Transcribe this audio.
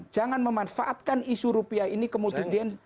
jangan memanfaatkan isu rupiah ini kemudian